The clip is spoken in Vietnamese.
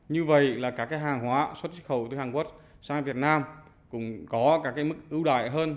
như vậy là các hàn hóa xuất sử khẩu từ hàn quốc sang việt nam cũng có mức ưu đại hơn